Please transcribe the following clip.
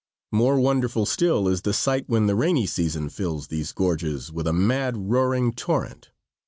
More wonderful still is the sight when the rainy season fills these gorges with a mad, roaring torrent.